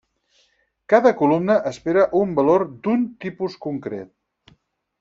Cada columna espera un valor d'un tipus concret.